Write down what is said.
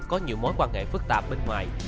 có nhiều mối quan hệ phức tạp bên ngoài